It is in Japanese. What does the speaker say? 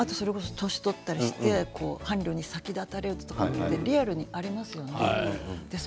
あと、年を取ったりして伴侶に先立たれるとかリアルにありますよね。